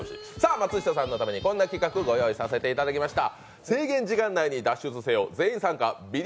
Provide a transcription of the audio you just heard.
松下さんのために、こんな企画ご用意させていただきました。